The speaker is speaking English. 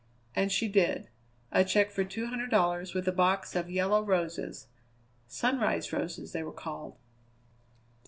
And she did. A check for two hundred dollars with a box of yellow roses Sunrise roses they were called.